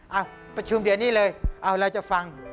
เอาประชุมเดี๋ยวนี้เลยเอาเราจะฟัง